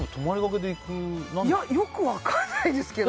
よく分からないですけど。